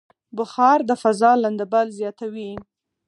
بخار د فضا لندبل زیاتوي.